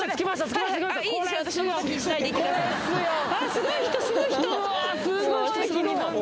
すごい人すごい人